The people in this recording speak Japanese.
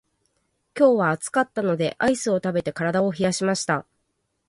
今日は暑かったのでアイスを食べて体を冷やしました。